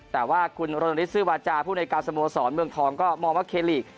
แต่ว่าคุณรณฤทธซื้อวาจาผู้ในการสโมสรเมืองทองก็มองว่าเคลีก